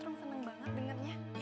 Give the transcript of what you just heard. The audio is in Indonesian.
rum seneng banget dengernya